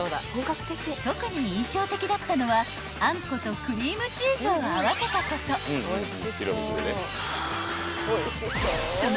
［特に印象的だったのはあんことクリームチーズを合わせたこと］